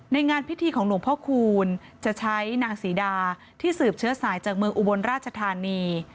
งานพิธีของหลวงพ่อคูณจะใช้นางศรีดาที่สืบเชื้อสายจากเมืองอุบลราชธานี